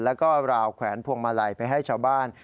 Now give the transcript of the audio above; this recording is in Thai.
แล้วก็ราวแขวนพวงมาลัยไปให้ชาวบ้าน